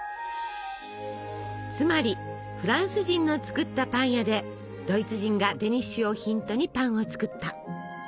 つまりフランス人の作ったパン屋でドイツ人がデニッシュをヒントにパンを作った。